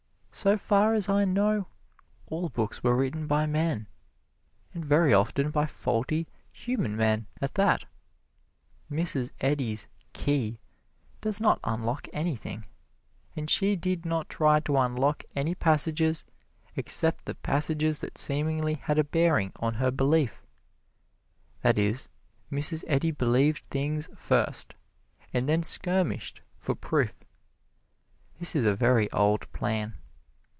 So far as I know, all books were written by men, and very often by faulty, human men at that. Mrs. Eddy's "Key" does not unlock anything; and she did not try to unlock any passages except the passages that seemingly had a bearing on her belief. That is, Mrs. Eddy believed things first, and then skirmished for proof. This is a very old plan.